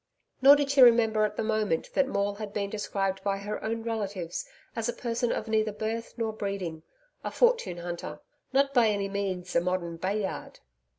Nor did she remember at the moment that Maule had been described by her own relatives as a person of neither birth nor breeding a fortune hunter not by any means a modern Bayard.